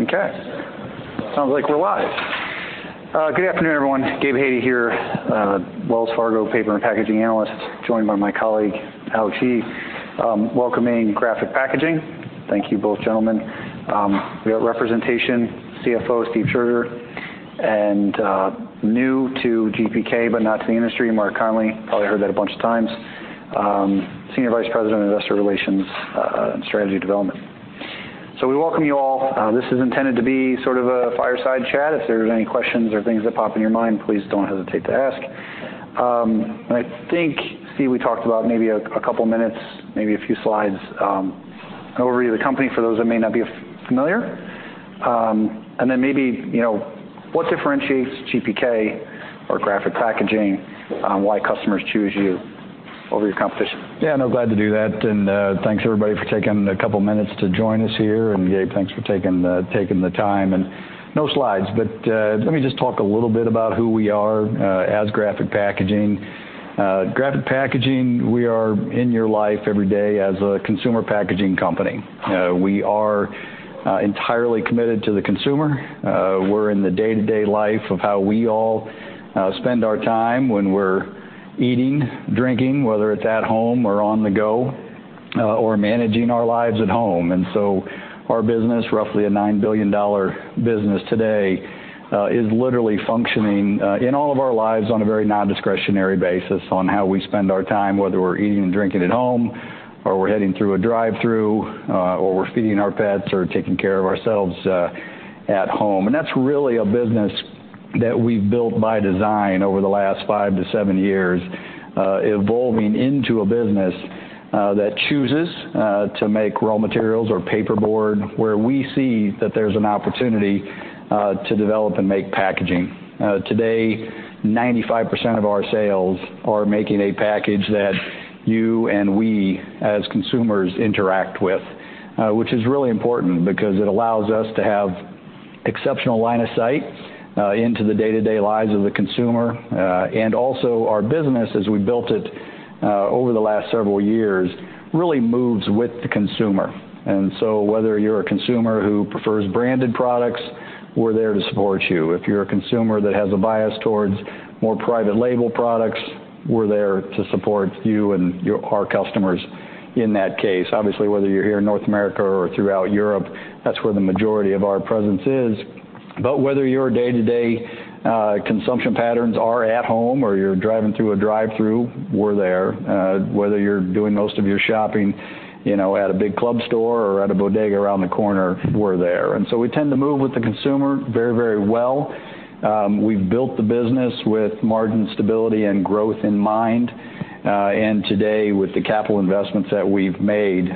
Okay, sounds like we're live. Good afternoon, everyone. Gabe Hajde here, Wells Fargo Paper and Packaging Analyst, joined by my colleague, Al Chi, welcoming Graphic Packaging. Thank you, both gentlemen. We got representation, CFO, Steve Scherger, and new to GPK, but not to the industry, Mark Connelly. Probably heard that a bunch of times. Senior Vice President of Investor Relations and Strategy Development. So we welcome you all. This is intended to be sort of a fireside chat. If there's any questions or things that pop in your mind, please don't hesitate to ask. I think, Steve, we talked about maybe a couple minutes, maybe a few slides, an overview of the company for those that may not be familiar. And then maybe, you know, what differentiates GPK or Graphic Packaging, why customers choose you over your competition? Yeah, no, glad to do that, and thanks, everybody, for taking a couple minutes to join us here. And Gabe, thanks for taking the time, and no slides, but let me just talk a little bit about who we are as Graphic Packaging. Graphic Packaging, we are in your life every day as a consumer packaging company. We are entirely committed to the consumer. We're in the day-to-day life of how we all spend our time when we're eating, drinking, whether it's at home or on the go, or managing our lives at home. Our business, roughly a $9 billion business today, is literally functioning in all of our lives on a very non-discretionary basis on how we spend our time, whether we're eating and drinking at home, or we're heading through a drive-through, or we're feeding our pets or taking care of ourselves at home. That's really a business that we've built by design over the last 5-7 years, evolving into a business that chooses to make raw materials or paperboard, where we see that there's an opportunity to develop and make packaging. Today, 95% of our sales are making a package that you and we, as consumers, interact with, which is really important because it allows us to have exceptional line of sight into the day-to-day lives of the consumer. And also our business, as we built it, over the last several years, really moves with the consumer. And so whether you're a consumer who prefers branded products, we're there to support you. If you're a consumer that has a bias towards more private label products, we're there to support you and your-- our customers in that case. Obviously, whether you're here in North America or throughout Europe, that's where the majority of our presence is. But whether your day-to-day, consumption patterns are at home, or you're driving through a drive-through, we're there. Whether you're doing most of your shopping, you know, at a big club store or at a bodega around the corner, we're there. And so we tend to move with the consumer very, very well. We've built the business with margin stability and growth in mind, and today, with the capital investments that we've made,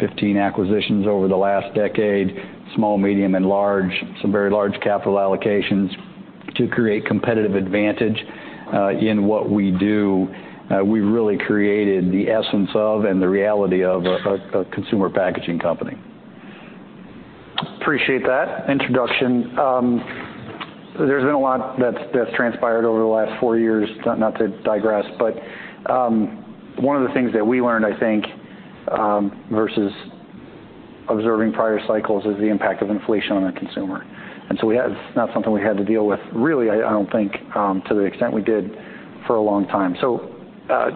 15 acquisitions over the last decade, small, medium, and large, some very large capital allocations to create competitive advantage in what we do, we've really created the essence of and the reality of a consumer packaging company. Appreciate that introduction. There's been a lot that's transpired over the last four years. Not to digress, but one of the things that we learned, I think, versus observing prior cycles, is the impact of inflation on the consumer. And so, not something we had to deal with, really, I don't think, to the extent we did for a long time. So,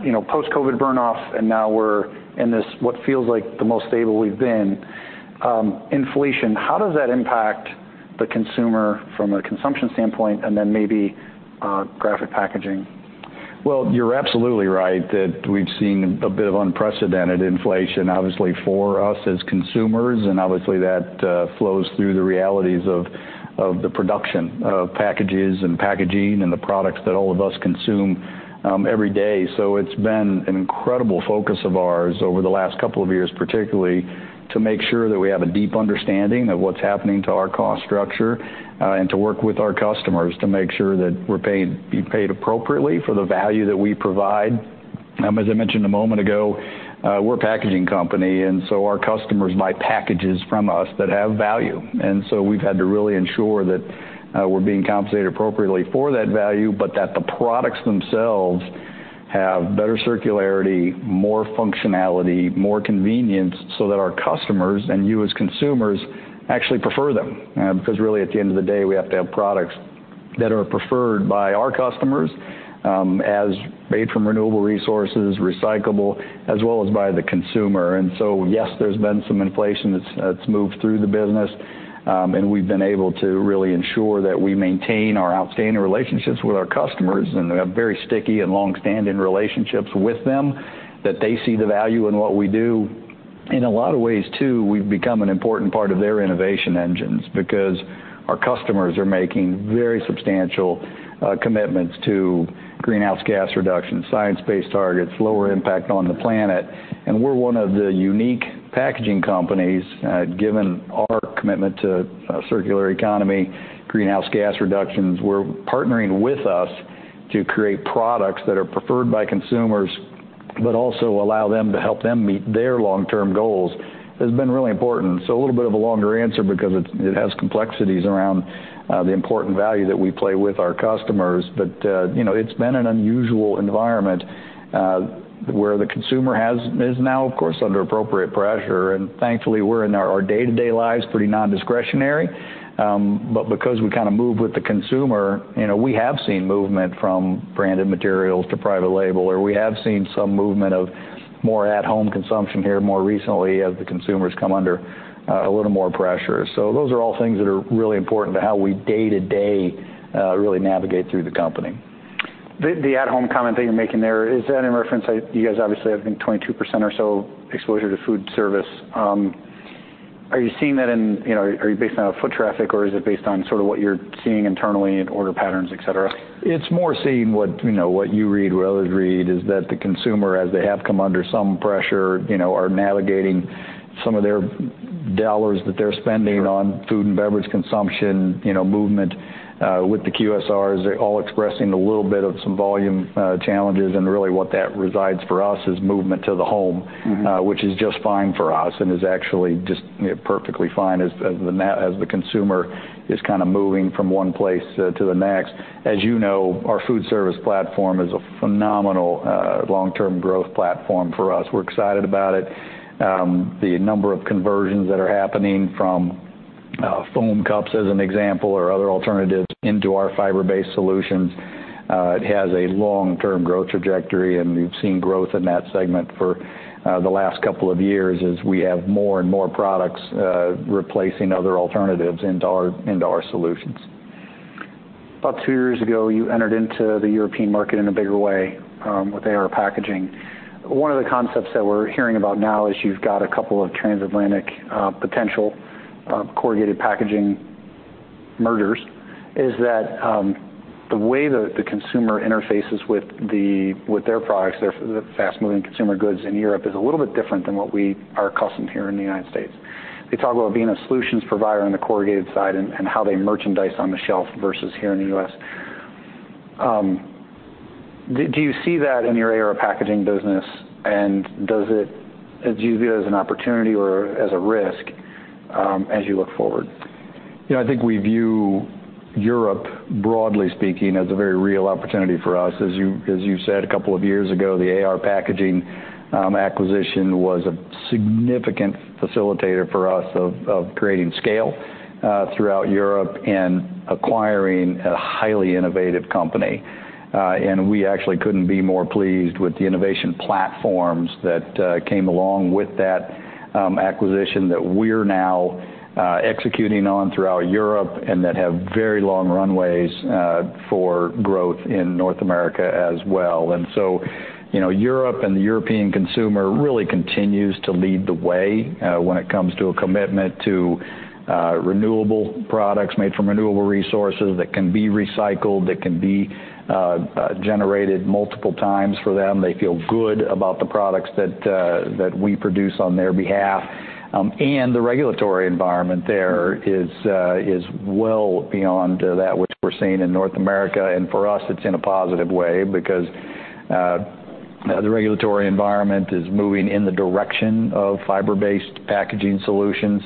you know, post-COVID burn off, and now we're in this, what feels like the most stable we've been. Inflation, how does that impact the consumer from a consumption standpoint, and then maybe Graphic Packaging? Well, you're absolutely right that we've seen a bit of unprecedented inflation, obviously, for us as consumers, and obviously, that flows through the realities of the production of packages and packaging and the products that all of us consume every day. So it's been an incredible focus of ours over the last couple of years, particularly, to make sure that we have a deep understanding of what's happening to our cost structure and to work with our customers to make sure that we're being paid appropriately for the value that we provide. As I mentioned a moment ago, we're a packaging company, and so our customers buy packages from us that have value. And so we've had to really ensure that, we're being compensated appropriately for that value, but that the products themselves have better circularity, more functionality, more convenience, so that our customers, and you as consumers, actually prefer them. Because really, at the end of the day, we have to have products that are preferred by our customers, as made from renewable resources, recyclable, as well as by the consumer. And so, yes, there's been some inflation that's moved through the business, and we've been able to really ensure that we maintain our outstanding relationships with our customers, and we have very sticky and long-standing relationships with them, that they see the value in what we do. In a lot of ways, too, we've become an important part of their innovation engines, because our customers are making very substantial commitments to greenhouse gas reduction, science-based targets, lower impact on the planet. And we're one of the unique packaging companies, given our commitment to circular economy, greenhouse gas reductions, we're partnering with us to create products that are preferred by consumers-but also allow them to help them meet their long-term goals, has been really important. So a little bit of a longer answer because it has complexities around the important value that we play with our customers. But you know, it's been an unusual environment where the consumer is now, of course, under appropriate pressure, and thankfully, we're in our day-to-day lives, pretty non-discretionary. But because we kind of move with the consumer, you know, we have seen movement from branded materials to private label, or we have seen some movement of more at-home consumption here more recently as the consumers come under a little more pressure. So those are all things that are really important to how we day-to-day really navigate through the company. The at-home comment that you're making there, is that in reference to you guys obviously have been 22% or so exposure to food service. Are you seeing that in, you know, are you based on foot traffic, or is it based on sort of what you're seeing internally in order patterns, et cetera? It's more seeing what, you know, what you read, what others read, is that the consumer, as they have come under some pressure, you know, are navigating some of their dollars that they're spending- Sure... on food and beverage consumption, you know, movement, with the QSRs. They're all expressing a little bit of some volume challenges, and really, what that resides for us is movement to the home. Mm-hmm. Which is just fine for us and is actually just, you know, perfectly fine as the consumer is kind of moving from one place to the next. As you know, our food service platform is a phenomenal long-term growth platform for us. We're excited about it. The number of conversions that are happening from foam cups, as an example, or other alternatives into our fiber-based solutions, it has a long-term growth trajectory, and we've seen growth in that segment for the last couple of years as we have more and more products replacing other alternatives into our solutions. About two years ago, you entered into the European market in a bigger way with AR Packaging. One of the concepts that we're hearing about now is you've got a couple of transatlantic potential corrugated packaging mergers. Is that the way the consumer interfaces with their products, the fast-moving consumer goods in Europe, a little bit different than what we are accustomed here in the United States? They talk about being a solutions provider on the corrugated side and how they merchandise on the shelf versus here in the U.S. Do you see that in your AR Packaging business, and do you view it as an opportunity or as a risk as you look forward? Yeah, I think we view Europe, broadly speaking, as a very real opportunity for us. As you said, a couple of years ago, the AR Packaging acquisition was a significant facilitator for us of creating scale throughout Europe and acquiring a highly innovative company. And we actually couldn't be more pleased with the innovation platforms that came along with that acquisition that we're now executing on throughout Europe and that have very long runways for growth in North America as well. You know, Europe and the European consumer really continues to lead the way when it comes to a commitment to renewable products made from renewable resources that can be recycled, that can be generated multiple times for them. They feel good about the products that we produce on their behalf. And the regulatory environment there. Mm-hmm... is well beyond that which we're seeing in North America. And for us, it's in a positive way because the regulatory environment is moving in the direction of fiber-based packaging solutions.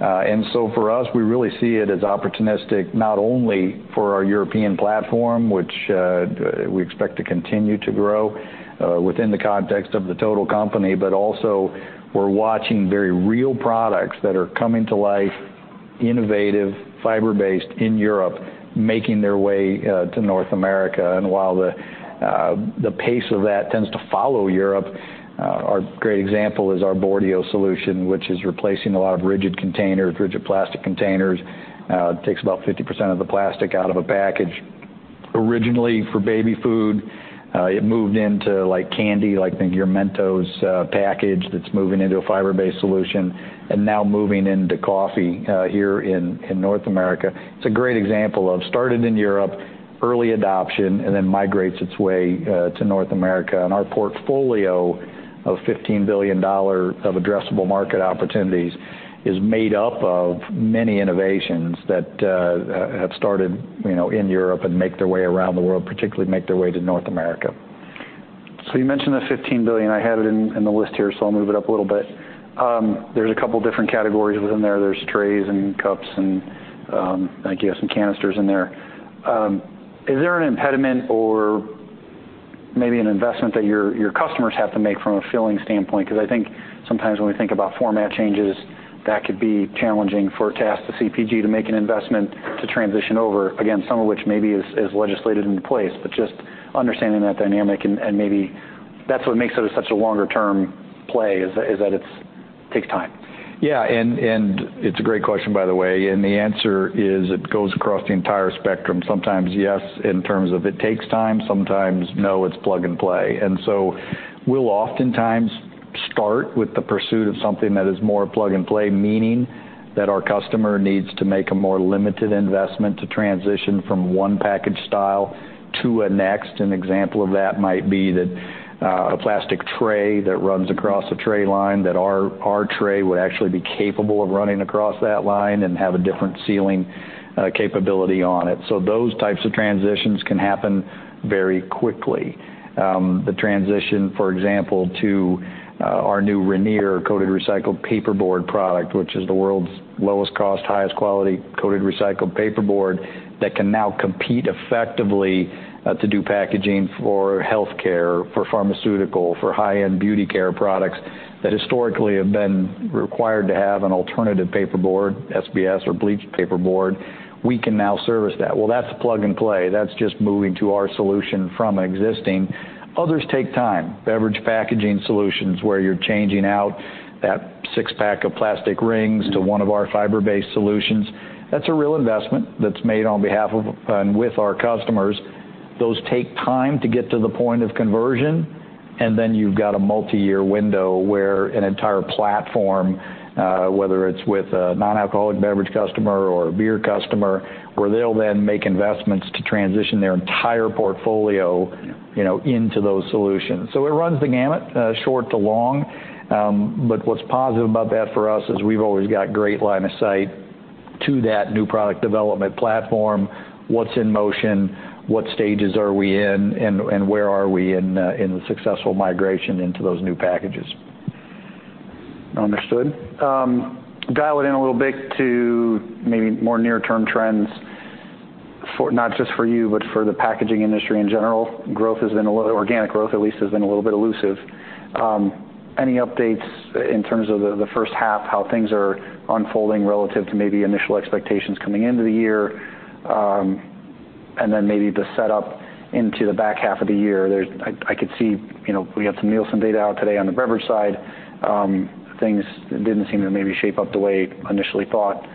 And so for us, we really see it as opportunistic, not only for our European platform, which we expect to continue to grow within the context of the total company, but also we're watching very real products that are coming to life, innovative, fiber-based in Europe, making their way to North America. And while the pace of that tends to follow Europe, our great example is our Boardio solution, which is replacing a lot of rigid containers, rigid plastic containers. It takes about 50% of the plastic out of a package. Originally, for baby food, it moved into, like, candy, like, I think, your Mentos, package that's moving into a fiber-based solution, and now moving into coffee, here in, in North America. It's a great example of started in Europe, early adoption, and then migrates its way, to North America. And our portfolio of $15 billion of addressable market opportunities is made up of many innovations that, have started, you know, in Europe and make their way around the world, particularly make their way to North America. So you mentioned the $15 billion. I have it in the list here, so I'll move it up a little bit. There's a couple different categories within there. There's trays and cups and, I think you have some canisters in there. Is there an impediment or maybe an investment that your customers have to make from a filling standpoint? Because I think sometimes when we think about format changes, that could be challenging for to ask the CPG to make an investment to transition over, again, some of which maybe is legislated into place, but just understanding that dynamic and, maybe that's what makes it such a longer-term play, is that it takes time. Yeah, and it's a great question, by the way, and the answer is it goes across the entire spectrum. Sometimes, yes, in terms of it takes time, sometimes no, it's plug and play. And so we'll oftentimes start with the pursuit of something that is more plug and play, meaning that our customer needs to make a more limited investment to transition from one package style to a next. An example of that might be that a plastic tray that runs across a tray line, that our tray would actually be capable of running across that line and have a different sealing capability on it. So those types of transitions can happen very quickly. The transition, for example, to our new Rainier coated recycled paperboard product, which is the world's lowest cost, highest quality, coated recycled paperboard, that can now compete effectively to do packaging for healthcare, for pharmaceutical, for high-end beauty care products that historically have been required to have an alternative paperboard, SBS or bleached paperboard, we can now service that. Well, that's plug and play. That's just moving to our solution from existing. Others take time. Beverage packaging solutions, where you're changing out that six-pack of plastic rings to one of our fiber-based solutions, that's a real investment that's made on behalf of, and with our customers. Those take time to get to the point of conversion, and then you've got a multiyear window where an entire platform, whether it's with a non-alcoholic beverage customer or a beer customer, where they'll then make investments to transition their entire portfolio, you know, into those solutions. So it runs the gamut, short to long. But what's positive about that for us is we've always got great line of sight to that new product development platform, what's in motion, what stages are we in, and where are we in the successful migration into those new packages. Understood. Dial it in a little bit to maybe more near-term trends for—not just for you, but for the packaging industry in general. Growth has been a little—organic growth, at least, has been a little bit elusive. Any updates in terms of the, the first half, how things are unfolding relative to maybe initial expectations coming into the year, and then maybe the setup into the back half of the year? There's—I, I could see, you know, we had some Nielsen data out today on the beverage side. Things didn't seem to maybe shape up the way initially thought.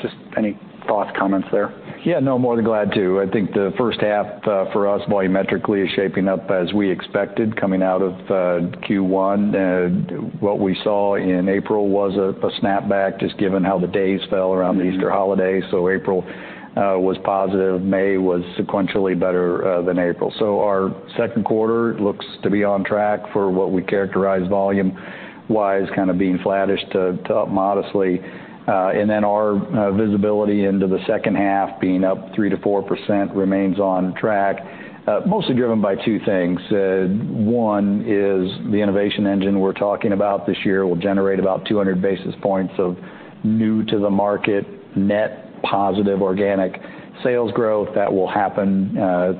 Just any thoughts, comments there? Yeah, no, more than glad to. I think the first half, for us, volumetrically, is shaping up as we expected coming out of Q1. What we saw in April was a snapback, just given how the days fell around the Easter holiday. So April was positive. May was sequentially better than April. So our second quarter looks to be on track for what we characterize volume-wise, kind of being flattish to up modestly. And then our visibility into the second half being up 3%-4% remains on track, mostly driven by two things. One is the innovation engine we're talking about this year will generate about 200 basis points of new to the market, net positive organic sales growth that will happen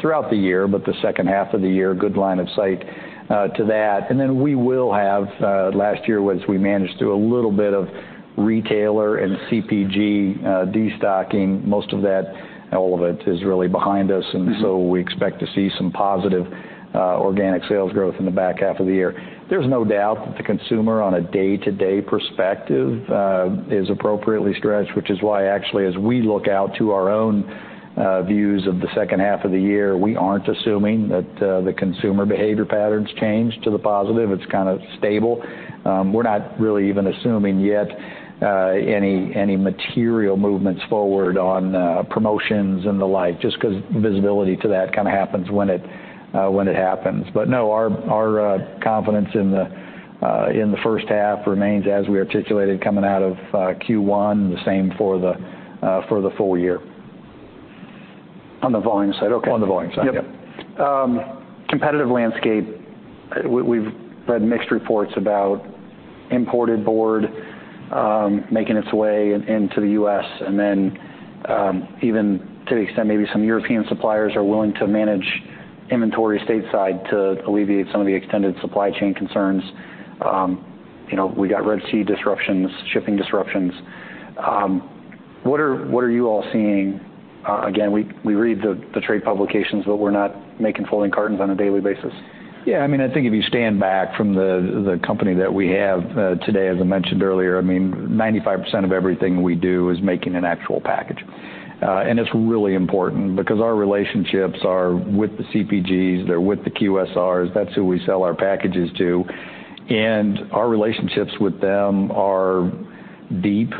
throughout the year, but the second half of the year, good line of sight to that. And then we will have, last year, as we managed through a little bit of retailer and CPG destocking, most of that, all of it, is really behind us. Mm-hmm. So we expect to see some positive organic sales growth in the back half of the year. There's no doubt that the consumer, on a day-to-day perspective, is appropriately stretched, which is why, actually, as we look out to our own views of the second half of the year, we aren't assuming that the consumer behavior patterns change to the positive. It's kind of stable. We're not really even assuming yet any material movements forward on promotions and the like, just because visibility to that kind of happens when it happens. But no, our confidence in the first half remains as we articulated coming out of Q1, the same for the full year. On the volume side, okay. On the volume side, yeah. Yep. Competitive landscape, we've read mixed reports about imported board making its way into the U.S., and then, even to the extent, maybe some European suppliers are willing to manage inventory stateside to alleviate some of the extended supply chain concerns. You know, we got Red Sea disruptions, shipping disruptions. What are you all seeing? Again, we read the trade publications, but we're not making folding cartons on a daily basis. Yeah, I mean, I think if you stand back from the company that we have today, as I mentioned earlier, I mean, 95% of everything we do is making an actual package. And it's really important because our relationships are with the CPGs, they're with the QSRs, that's who we sell our packages to. And our relationships with them are deep,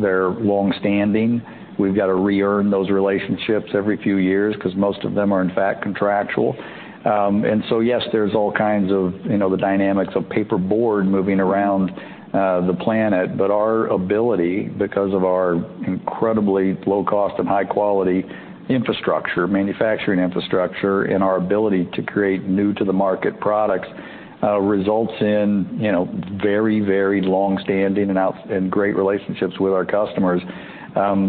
they're long-standing. We've got to re-earn those relationships every few years because most of them are, in fact, contractual. And so, yes, there's all kinds of, you know, the dynamics of paperboard moving around the planet, but our ability, because of our incredibly low cost and high quality infrastructure, manufacturing infrastructure, and our ability to create new to the market products, results in, you know, very, very long-standing and outstanding and great relationships with our customers.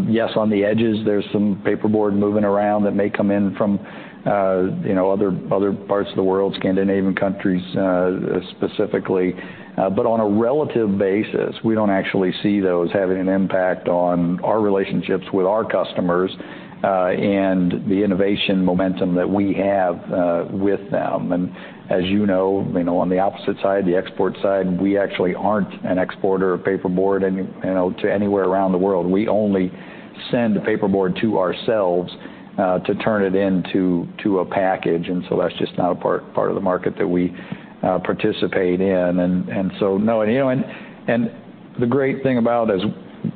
Yes, on the edges, there's some paperboard moving around that may come in from, you know, other, other parts of the world, Scandinavian countries, specifically. But on a relative basis, we don't actually see those having an impact on our relationships with our customers, and the innovation momentum that we have with them. And as you know, you know, on the opposite side, the export side, we actually aren't an exporter of paperboard and, you know, to anywhere around the world. We only send the paperboard to ourselves, to turn it into, to a package. And so that's just not a part of the market that we participate in. You know, the great thing about, as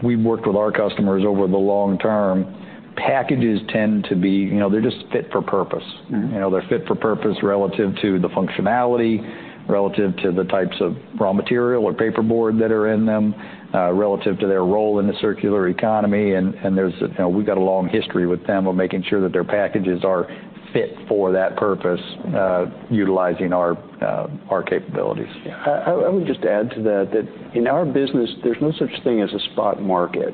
we've worked with our customers over the long term, packages tend to be, you know, they're just fit for purpose. Mm-hmm. You know, they're fit for purpose relative to the functionality, relative to the types of raw material or paperboard that are in them, relative to their role in the circular economy. And there's, you know, we've got a long history with them of making sure that their packages are fit for that purpose, utilizing our capabilities. Yeah. I would just add to that, that in our business, there's no such thing as a spot market.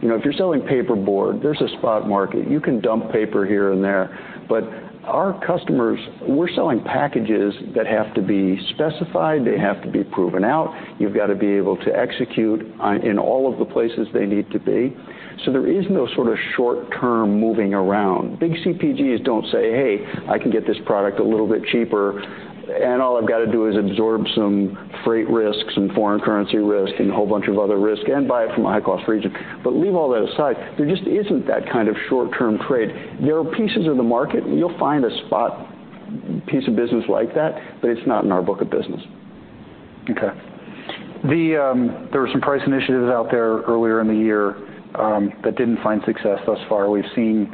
You know, if you're selling paperboard, there's a spot market. You can dump paper here and there, but our customers, we're selling packages that have to be specified. They have to be proven out. You've got to be able to execute on, in all of the places they need to be. So there is no sort of short-term moving around. Big CPGs don't say: Hey, I can get this product a little bit cheaper, and all I've got to do is absorb some freight risks and foreign currency risk, and a whole bunch of other risk, and buy it from a high-cost region. But leave all that aside, there just isn't that kind of short-term trade. There are pieces of the market, and you'll find a spot piece of business like that, but it's not in our book of business. Okay. There were some price initiatives out there earlier in the year that didn't find success thus far. We've seen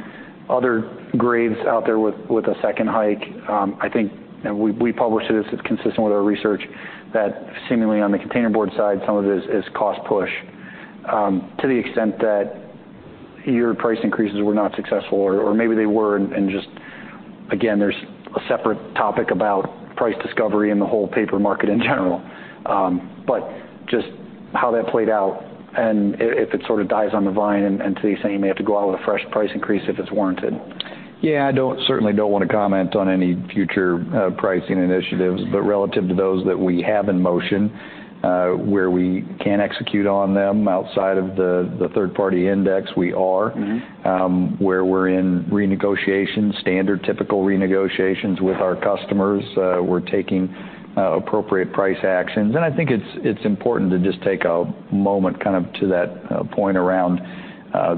other grades out there with a second hike. I think, and we published it as it's consistent with our research, that seemingly on the containerboard side, some of it is cost push. To the extent that your price increases were not successful, or maybe they were and just, again, there's a separate topic about price discovery in the whole paper market in general. But just how that played out, and if it sort of dies on the vine, and to the extent you may have to go out with a fresh price increase if it's warranted. Yeah. I don't certainly don't want to comment on any future pricing initiatives, but relative to those that we have in motion, where we can execute on them outside of the third-party index, we are. Mm-hmm. Where we're in renegotiation, standard, typical renegotiations with our customers, we're taking appropriate price actions. And I think it's important to just take a moment kind of to that point around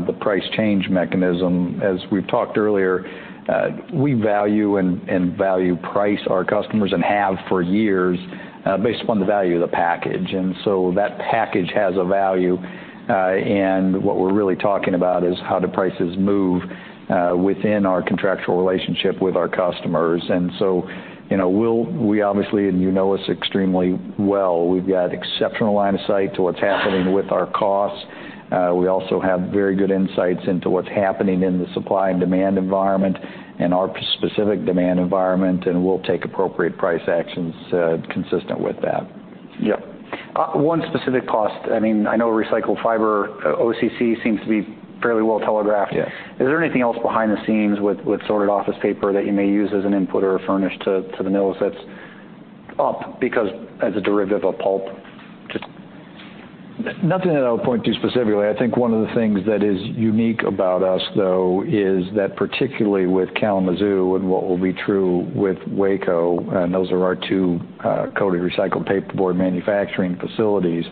the price change mechanism. As we've talked earlier, we value and value price our customers, and have for years, based upon the value of the package, and so that package has a value. And what we're really talking about is how do prices move within our contractual relationship with our customers. And so, you know, we'll, we obviously, and you know us extremely well, we've got exceptional line of sight to what's happening with our costs. We also have very good insights into what's happening in the supply and demand environment and our specific demand environment, and we'll take appropriate price actions, consistent with that. Yep. One specific cost, I mean, I know recycled fiber, OCC seems to be fairly well telegraphed. Yeah. Is there anything else behind the scenes with, with sorted office paper that you may use as an input or a furnish to, to the mills that's up because as a derivative of pulp? Just- Nothing that I would point to specifically. I think one of the things that is unique about us, though, is that particularly with Kalamazoo and what will be true with Waco, and those are our two coated recycled paperboard manufacturing facilities,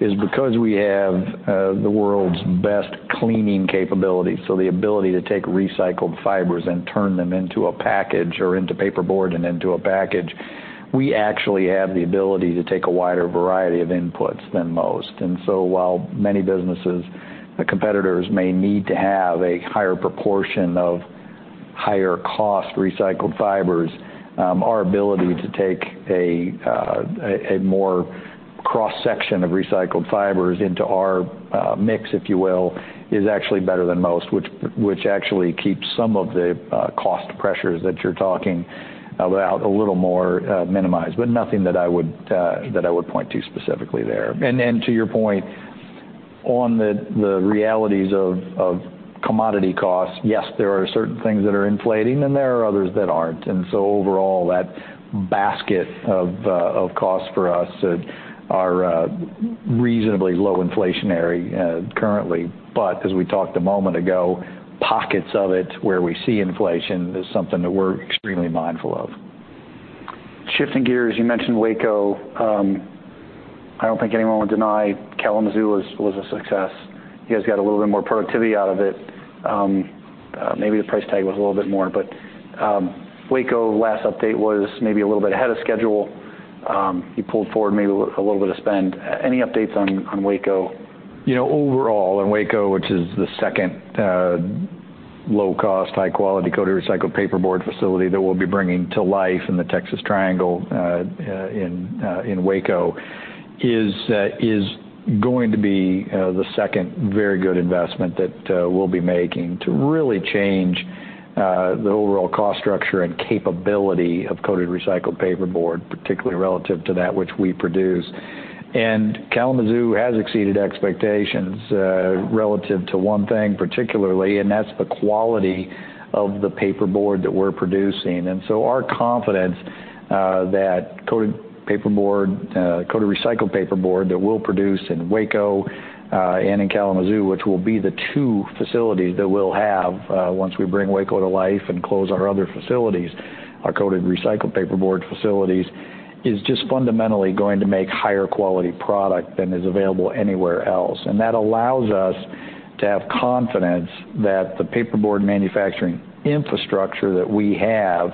is because we have the world's best cleaning capabilities, so the ability to take recycled fibers and turn them into a package or into paperboard and into a package, we actually have the ability to take a wider variety of inputs than most. And so while many businesses, the competitors may need to have a higher proportion of higher cost recycled fibers, our ability to take a more cross-section of recycled fibers into our mix, if you will, is actually better than most, which actually keeps some of the cost pressures that you're talking about, a little more minimized. But nothing that I would point to specifically there. And then, to your point, on the realities of commodity costs, yes, there are certain things that are inflating, and there are others that aren't. And so overall, that basket of costs for us are reasonably low inflationary currently. But as we talked a moment ago, pockets of it where we see inflation is something that we're extremely mindful of. Shifting gears, you mentioned Waco. I don't think anyone would deny Kalamazoo was a success. You guys got a little bit more productivity out of it. Maybe the price tag was a little bit more, but Waco, last update was maybe a little bit ahead of schedule. You pulled forward maybe a little bit of spend. Any updates on Waco? You know, overall, in Waco, which is the second, low cost, high quality, coated recycled paperboard facility that we'll be bringing to life in the Texas Triangle, in Waco, is going to be, the second very good investment that, we'll be making to really change, the overall cost structure and capability of coated recycled paperboard, particularly relative to that which we produce. Kalamazoo has exceeded expectations, relative to one thing particularly, and that's the quality of the paperboard that we're producing. So our confidence, that coated paperboard, coated recycled paperboard that we'll produce in Waco, and in Kalamazoo, which will be the two facilities that we'll have, once we bring Waco to life and close our other facilities, our coated recycled paperboard facilities-... Is just fundamentally going to make higher quality product than is available anywhere else. And that allows us to have confidence that the paperboard manufacturing infrastructure that we have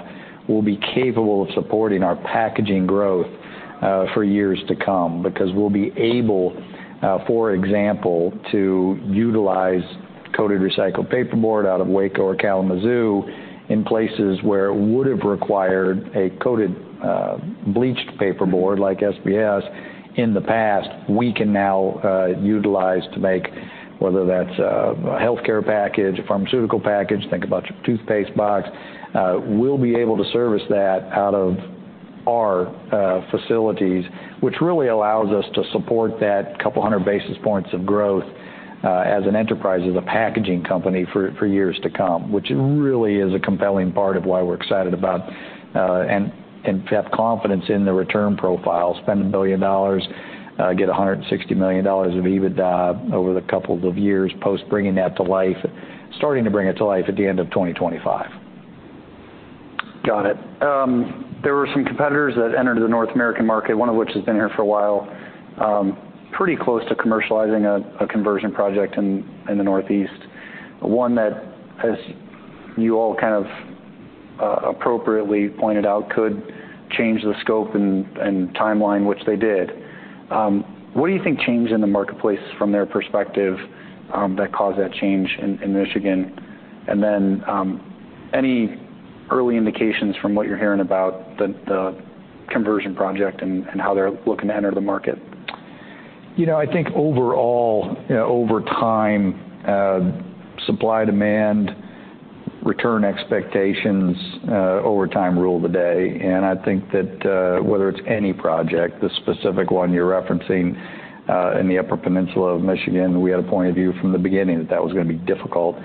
will be capable of supporting our packaging growth for years to come, because we'll be able, for example, to utilize coated recycled paperboard out of Waco or Kalamazoo in places where it would have required a coated bleached paperboard, like SBS, in the past. We can now utilize to make whether that's a healthcare package, a pharmaceutical package, think about your toothpaste box. We'll be able to service that out of our facilities, which really allows us to support that 200 basis points of growth as an enterprise, as a packaging company for years to come, which really is a compelling part of why we're excited about and have confidence in the return profile. Spend $1 billion, get $160 million of EBITDA over the couple of years, post bringing that to life, starting to bring it to life at the end of 2025. Got it. There were some competitors that entered the North American market, one of which has been here for a while, pretty close to commercializing a conversion project in the Northeast. One that, as you all kind of appropriately pointed out, could change the scope and timeline, which they did. What do you think changed in the marketplace from their perspective that caused that change in Michigan? And then, any early indications from what you're hearing about the conversion project and how they're looking to enter the market? You know, I think overall, over time, supply, demand, return expectations, over time rule the day, and I think that, whether it's any project, the specific one you're referencing, in the Upper Peninsula of Michigan, we had a point of view from the beginning that that was gonna be difficult,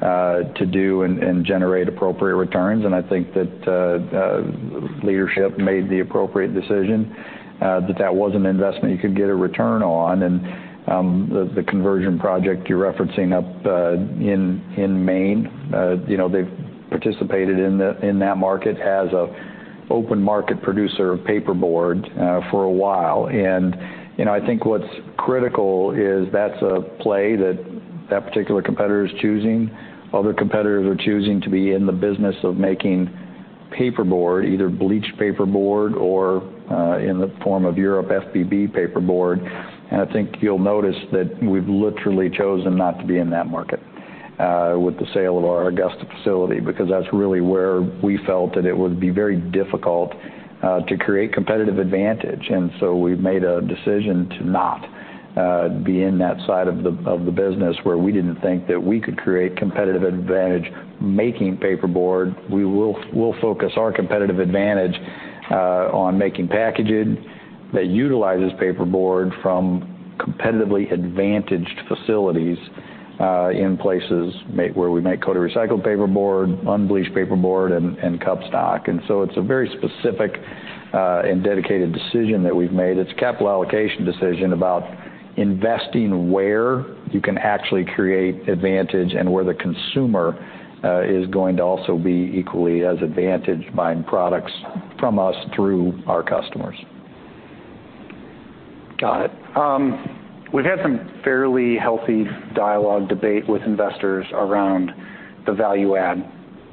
to do and generate appropriate returns. And I think that, leadership made the appropriate decision, that that wasn't an investment you could get a return on. And, the conversion project you're referencing up, in Maine, you know, they've participated in that market as an open market producer of paperboard, for a while. And, you know, I think what's critical is that's a play that that particular competitor is choosing. Other competitors are choosing to be in the business of making paperboard, either bleached paperboard or in the form of European FBB paperboard. I think you'll notice that we've literally chosen not to be in that market with the sale of our Augusta facility, because that's really where we felt that it would be very difficult to create competitive advantage. And so we've made a decision to not be in that side of the business, where we didn't think that we could create competitive advantage making paperboard. We'll focus our competitive advantage on making packaging that utilizes paperboard from competitively advantaged facilities in places where we make coated recycled paperboard, unbleached paperboard, and cup stock. And so it's a very specific and dedicated decision that we've made. It's a capital allocation decision about investing where you can actually create advantage and where the consumer is going to also be equally as advantaged buying products from us through our customers. Got it. We've had some fairly healthy dialogue debate with investors around the value add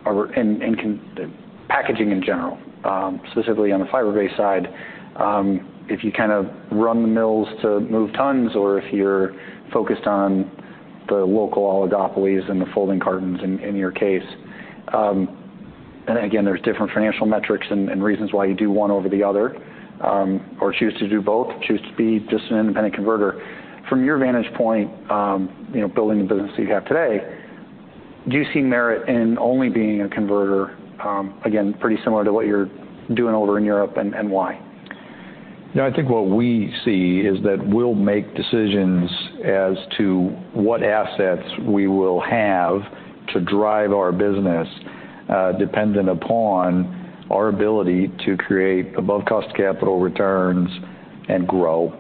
or -- and container packaging in general, specifically on the fiber-based side. If you kind of run the mills to move tons, or if you're focused on the local oligopolies and the folding cartons in your case, and again, there's different financial metrics and reasons why you do one over the other, or choose to do both, choose to be just an independent converter. From your vantage point, you know, building the business that you have today, do you see merit in only being a converter, again, pretty similar to what you're doing over in Europe, and why? Yeah, I think what we see is that we'll make decisions as to what assets we will have to drive our business, dependent upon our ability to create above cost capital returns and grow,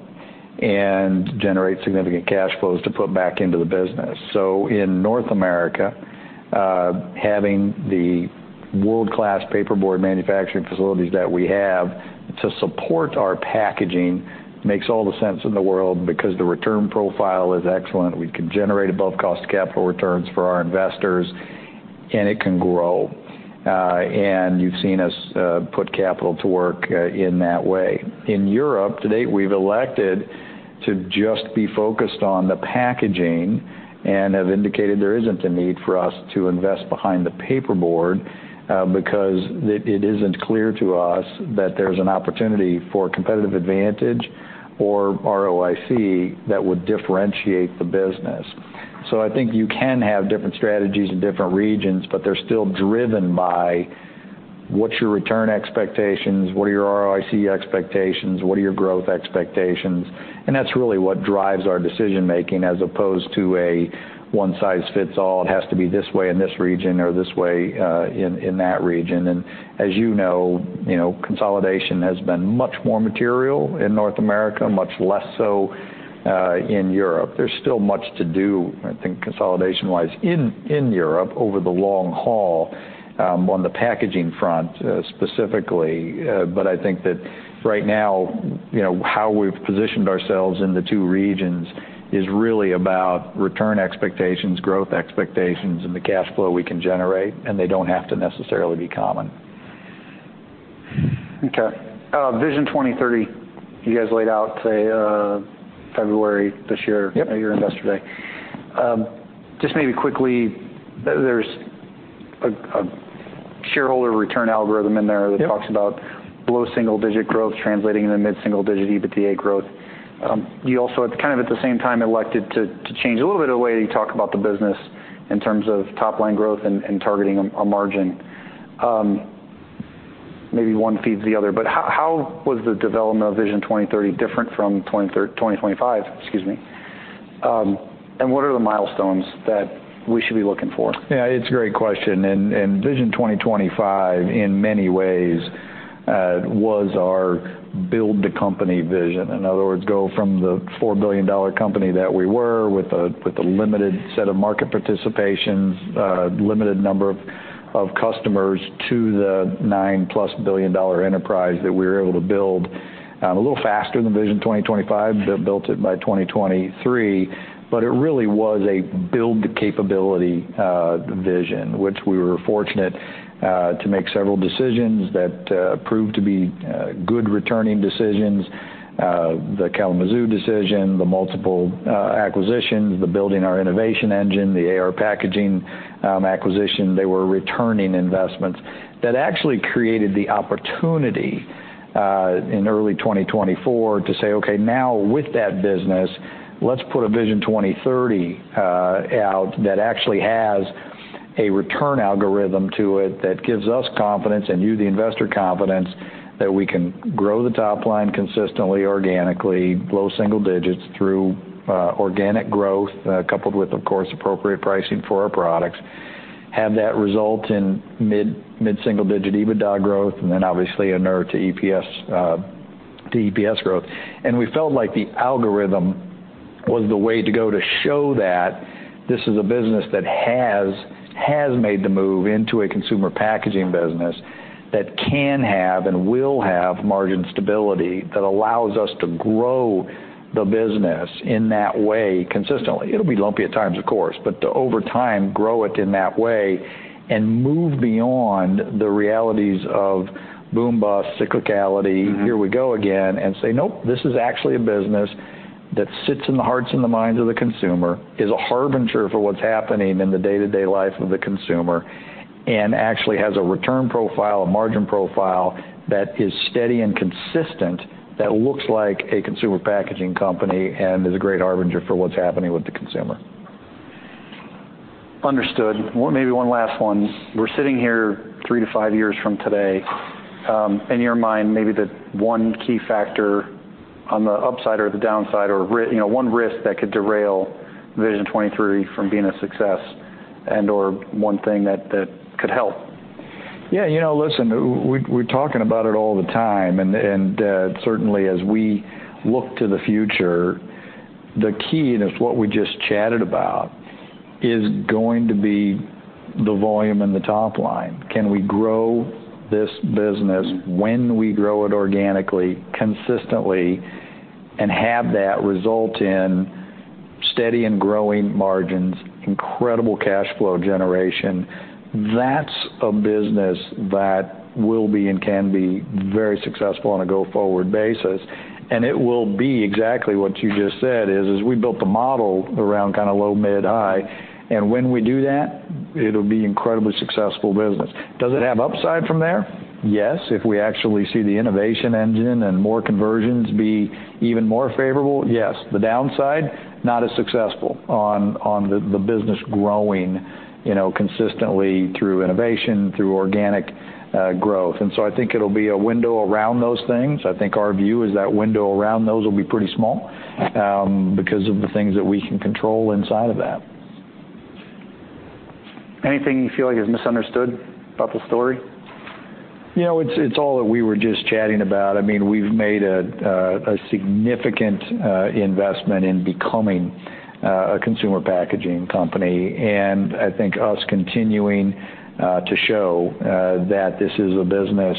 and generate significant cash flows to put back into the business. So in North America, having the world-class paperboard manufacturing facilities that we have to support our packaging makes all the sense in the world because the return profile is excellent. We can generate above cost capital returns for our investors, and it can grow. And you've seen us, put capital to work, in that way. In Europe, to date, we've elected to just be focused on the packaging and have indicated there isn't a need for us to invest behind the paperboard, because it isn't clear to us that there's an opportunity for competitive advantage or ROIC that would differentiate the business. So I think you can have different strategies in different regions, but they're still driven by what's your return expectations, what are your ROIC expectations, what are your growth expectations? And that's really what drives our decision-making as opposed to a one-size-fits-all, it has to be this way in this region or this way in that region. And as you know, you know, consolidation has been much more material in North America, much less so in Europe. There's still much to do, I think, consolidation-wise in Europe over the long haul. On the packaging front, specifically. But I think that right now, you know, how we've positioned ourselves in the two regions is really about return expectations, growth expectations, and the cash flow we can generate, and they don't have to necessarily be common. Okay. Vision 2030, you guys laid out, say, February this year- Yep -at your Investor Day. Just maybe quickly, there's a shareholder return algorithm in there- Yep that talks about below single-digit growth, translating into mid-single-digit EBITDA growth. You also, at kind of the same time, elected to change a little bit of the way you talk about the business in terms of top line growth and targeting a margin. Maybe one feeds the other, but how was the development of Vision 2030 different from 2025, excuse me? And what are the milestones that we should be looking for? Yeah, it's a great question, and, and Vision 2025, in many ways, was our build the company vision. In other words, go from the $4 billion company that we were, with a, with a limited set of market participations, limited number of, of customers, to the $9+ billion enterprise that we were able to build, a little faster than Vision 2025, but built it by 2023. But it really was a build the capability vision, which we were fortunate to make several decisions that proved to be good returning decisions. The Kalamazoo decision, the multiple acquisitions, the building our innovation engine, the AR Packaging acquisition, they were returning investments that actually created the opportunity in early 2024 to say, "Okay, now, with that business, let's put a Vision 2030 out that actually has a return algorithm to it, that gives us confidence, and you, the investor, confidence, that we can grow the top line consistently, organically, low single digits, through organic growth, coupled with, of course, appropriate pricing for our products. Have that result in mid, mid-single-digit EBITDA growth, and then obviously, and then to EPS, to EPS growth. And we felt like the algorithm was the way to go to show that this is a business that has made the move into a consumer packaging business, that can have and will have margin stability, that allows us to grow the business in that way consistently. It'll be lumpy at times, of course, but over time, grow it in that way and move beyond the realities of boom-bust cyclicality- Mm-hmm... here we go again, and say, "Nope, this is actually a business that sits in the hearts and the minds of the consumer, is a harbinger for what's happening in the day-to-day life of the consumer, and actually has a return profile, a margin profile, that is steady and consistent, that looks like a consumer packaging company, and is a great harbinger for what's happening with the consumer. Understood. Well, maybe one last one. We're sitting here 3-5 years from today, in your mind, maybe the one key factor on the upside or the downside or you know, one risk that could derail Vision '23 from being a success and/or one thing that could help. Yeah, you know, listen, we, we're talking about it all the time, and, and certainly, as we look to the future, the key, and it's what we just chatted about, is going to be the volume in the top line. Can we grow this business when we grow it organically, consistently, and have that result in steady and growing margins, incredible cash flow generation? That's a business that will be and can be very successful on a go-forward basis, and it will be exactly what you just said, is, is we built the model around kind of low, mid, high, and when we do that, it'll be incredibly successful business. Does it have upside from there? Yes, if we actually see the innovation engine and more conversions be even more favorable, yes. The downside, not as successful on the business growing, you know, consistently through innovation, through organic growth. So I think it'll be a window around those things. I think our view is that window around those will be pretty small, because of the things that we can control inside of that. Anything you feel like is misunderstood about the story? You know, it's all that we were just chatting about. I mean, we've made a significant investment in becoming a consumer packaging company, and I think us continuing to show that this is a business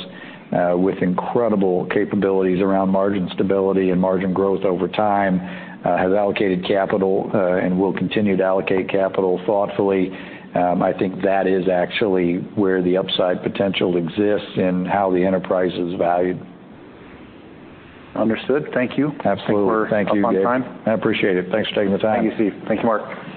with incredible capabilities around margin stability and margin growth over time has allocated capital and will continue to allocate capital thoughtfully. I think that is actually where the upside potential exists in how the enterprise is valued. Understood. Thank you. Absolutely. I think we're- Thank you, Gabe.... up on time. I appreciate it. Thanks for taking the time. Thank you, Steve. Thank you, Mark.